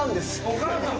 お母さん！